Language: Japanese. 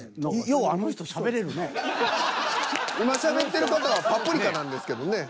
今しゃべってる方はパプリカなんですけどね。